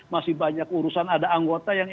masih banyak urusan ada anggota yang